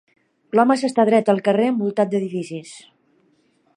L'home s'està dret al carrer envoltat d'edificis.